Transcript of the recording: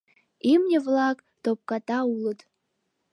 Имне-влак топката улыт.